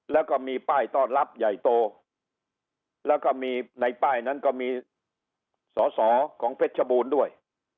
แล้วก็มีป้ายต้อนรับใหญ่โตแล้วก็มีในป้ายนั้นก็มีสอสอของเพชรบูรณ์ด้วย